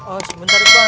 oh sebentar bang